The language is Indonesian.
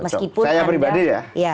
saya pribadi ya